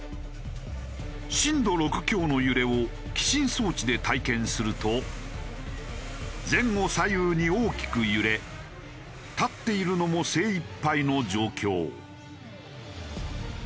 震度６強の揺れを起震装置で体験すると前後左右に大きく揺れ立っているのも精いっぱいの状況。